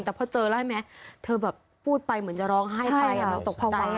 แต่พอเจอแล้วแม้แบบเธอพูดไปเหมือนจะลองไห้ไป